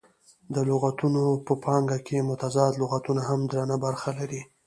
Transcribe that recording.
د لغتونه په پانګه کښي متضاد لغتونه هم درنه برخه لري.